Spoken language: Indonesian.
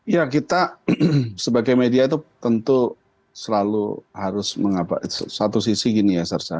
ya kita sebagai media itu tentu selalu harus mengapa satu sisi gini ya sarsa